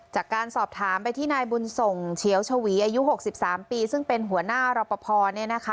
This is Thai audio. จากการสอบถามไปที่นายบุญส่งเชียวชวีอายุหกสิบสามปีซึ่งเป็นหัวหน้ารอปภพอเนี่ยนะคะ